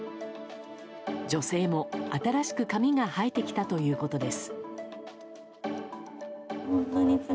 女性も、新しく髪が生えてきたということです。